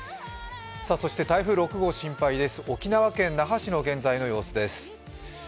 そして台風６号、心配です、沖縄県那覇市の現在の様子です。